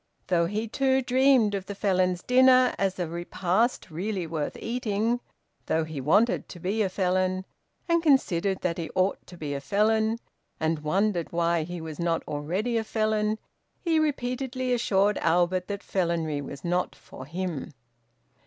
Though he, too, dreamed of the Felons' Dinner as a repast really worth eating, though he wanted to be a Felon, and considered that he ought to be a Felon, and wondered why he was not already a Felon, he repeatedly assured Albert that Felonry was not for him.